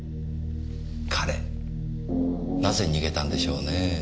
彼なぜ逃げたんでしょうねぇ。